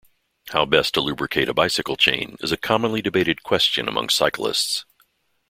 How best to lubricate a bicycle chain is a commonly debated question among cyclists.